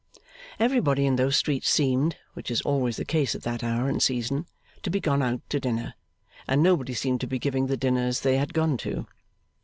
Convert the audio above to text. Everybody in those streets seemed (which is always the case at that hour and season) to be gone out to dinner, and nobody seemed to be giving the dinners they had gone to.